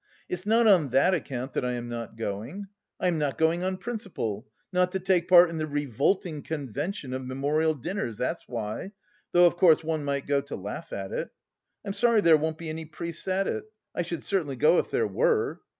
It's not on that account that I am not going. I am not going on principle, not to take part in the revolting convention of memorial dinners, that's why! Though, of course, one might go to laugh at it.... I am sorry there won't be any priests at it. I should certainly go if there were."